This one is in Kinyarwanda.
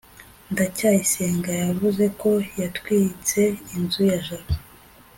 ndacyayisenga yavuze ko yatwitse inzu ya jabo